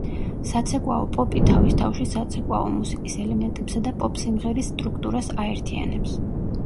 საცეკვაო პოპი თავის თავში საცეკვაო მუსიკის ელემენტებსა და პოპ სიმღერის სტრუქტურას აერთიენებს.